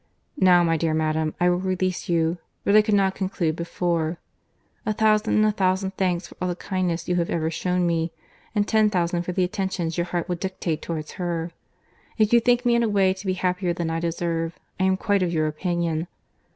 Now, my dear madam, I will release you; but I could not conclude before. A thousand and a thousand thanks for all the kindness you have ever shewn me, and ten thousand for the attentions your heart will dictate towards her.—If you think me in a way to be happier than I deserve, I am quite of your opinion.